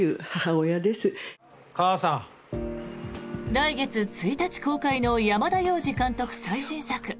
来月１日公開の山田洋次監督最新作。